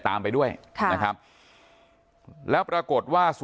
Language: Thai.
ตามไปด้วยนะครับแล้วปรากฏว่า